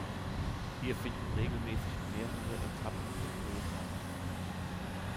Hier finden regelmäßig mehrere Etappen der Tour de France statt.